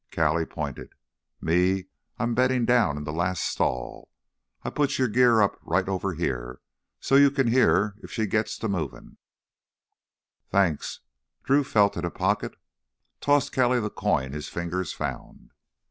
Callie pointed. "Me, I'm beddin' down in the last stall. I put your gear up right over here, so's you can hear if she gits to movin'—" "Thanks." Drew felt in a pocket, tossed Callie the coin his fingers found.